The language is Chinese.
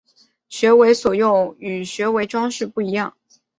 学为所用与学为‘装饰’不一样